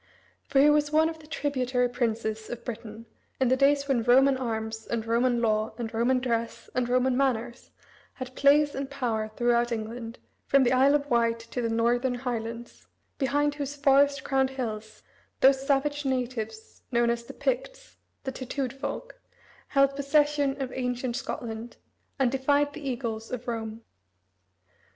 For he was one of the tributary princes of Britain, in the days when Roman arms, and Roman law, and Roman dress, and Roman manners, had place and power throughout England, from the Isle of Wight, to the Northern highlands, behind whose forest crowned hills those savage natives known as the Picts "the tattooed folk" held possession of ancient Scotland, and defied the eagles of Rome.